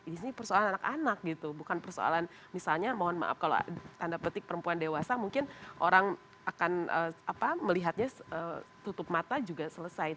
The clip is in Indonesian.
ini persoalan anak anak gitu bukan persoalan misalnya mohon maaf kalau tanda petik perempuan dewasa mungkin orang akan melihatnya tutup mata juga selesai